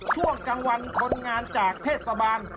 ช่วงกลางวันคนงานจากเทศบาล